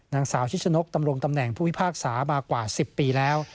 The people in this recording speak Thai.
นางสาวชิชนกตำรงตำแหน่งผู้พิพากษามากว่า๑๐ปีแล้ว